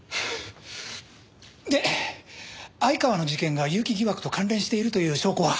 で相川の事件が結城疑惑と関連しているという証拠は？